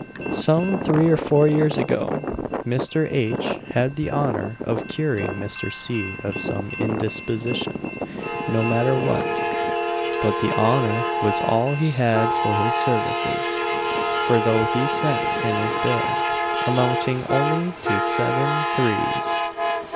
Some three or four yeas ago, Mr. H. had the honour of curing Mr. C. of some indisposition no matter what; but the honour was all he had for his services; for though he sent in his bill, amounting only to 7_l._ 3_s.